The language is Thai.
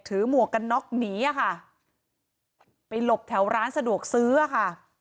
หมวกกันน็อกหนีอะค่ะไปหลบแถวร้านสะดวกซื้ออ่ะค่ะ